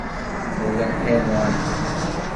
বললেন, হে মুয়ায়!